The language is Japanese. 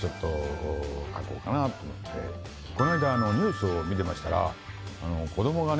こないだニュースを見てましたら子どもがね